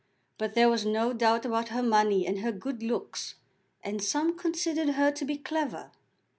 But there was no doubt about her money and her good looks, and some considered her to be clever.